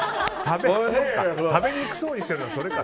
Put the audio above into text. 食べにくそうにしてるのはそれか。